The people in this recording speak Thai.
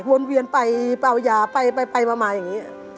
วนเวียนไปเอายาไปไปมาใหม่อย่างนี้